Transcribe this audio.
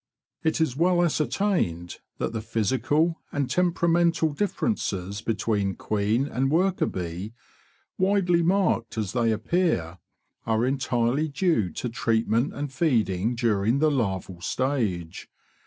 It is well ascertained that the physical and temperamental differences between queen and worker bee, widely marked as they appear, are entirely due to treatment and feeding during the larval stage.